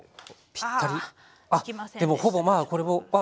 ぴったりでもほぼまあこれも。